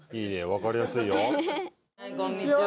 分かりやすいよ。